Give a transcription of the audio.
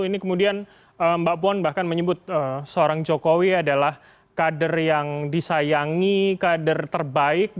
ini kemudian mbak puan bahkan menyebut seorang jokowi adalah kader yang disayangi kader terbaik